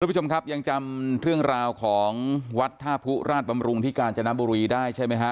ผู้ชมครับยังจำเรื่องราวของวัดท่าผู้ราชบำรุงที่กาญจนบุรีได้ใช่ไหมฮะ